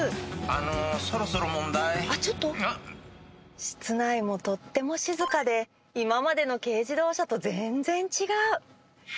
あのそろそろ問題室内もとっても静かで今までの軽自動車と全然違う。